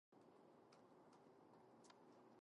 The last version that they found was most advanced.